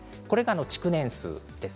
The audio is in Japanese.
築年数です。